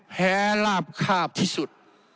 แห้ลาบคาบที่สุด